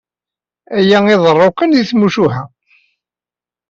Aya iḍerru kan deg tmucuha...